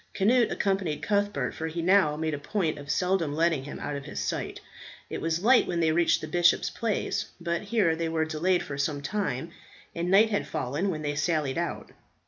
Cnut accompanied Cuthbert, for he now made a point of seldom letting him out of his sight. It was light when they reached the bishop's palace, but here they were delayed for some time, and night had fallen when they sallied out.